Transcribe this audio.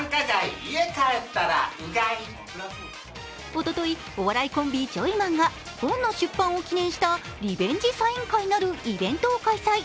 おととい、お笑いコンビ、ジョイマンが本の出版を記念したリベンジサイン会なるイベントを開催。